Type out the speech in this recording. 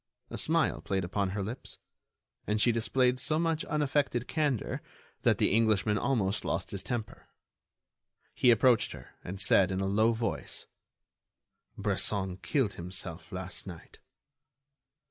A smile played upon her lips; and she displayed so much unaffected candor that the Englishman almost lost his temper. He approached her and said, in a low voice: "Bresson killed himself last night."